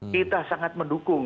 kita sangat mendukung